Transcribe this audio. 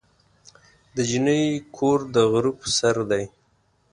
د جینۍ کور د غره په سر دی.